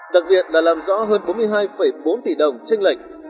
đặc viện đã làm rõ hơn bốn mươi hai bốn tỷ đồng tranh lệch